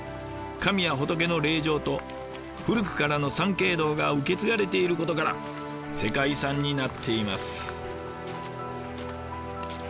神や仏の霊場と古くからの参詣道が受け継がれていることから世界遺産になっています。